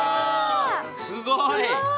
おすごい！